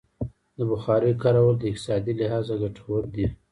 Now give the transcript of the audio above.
د بخارۍ کارول د اقتصادي لحاظه ګټور دي.